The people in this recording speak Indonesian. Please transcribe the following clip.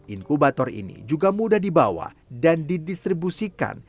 inkubator ini juga mudah dibawa dan didistribusikan